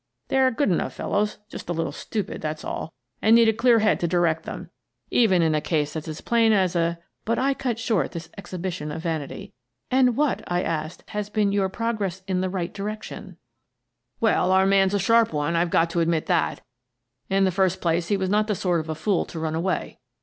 They are good enough fellows — just a little stupid, that's all — and need a clear head to direct them, even in a case that's as plain as a —" But I cut short this exhibition of vanity. " And what," I asked, " has been your progress in the right direction? "" Well, our man's a sharp one, I've got to admit that. In the first place, he was not the sort of a fool to run away.